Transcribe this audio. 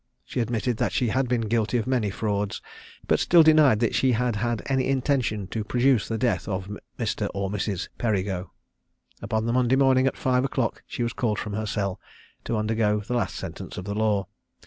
She admitted that she had been guilty of many frauds, but still denied that she had had any intention to produce the death of Mr. or Mrs. Perigo. Upon the Monday morning at five o'clock she was called from her cell, to undergo the last sentence of the law.